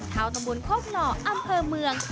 เท้าตำบลโครบหน่ออำเภอเมือง